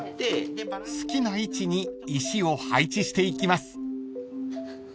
［好きな位置に石を配置していきます］